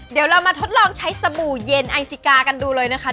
เดี๋ยวเรามาทดลองใช้สบู่เย็นไอซิกากันดูเลยนะคะ